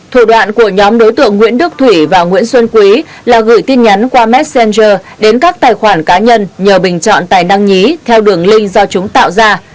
thủ đoạn của nhóm đối tượng nguyễn đức thủy và nguyễn xuân quý là gửi tin nhắn qua messenger đến các tài khoản cá nhân nhờ bình chọn tài năng nhí theo đường link do chúng tạo ra